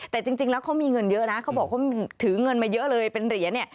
แต่จริงแล้วเขามีเงินเยอะนะเขาบอกเขาถือเงินมาเยอะเลยเป็นเหรียญเนี่ย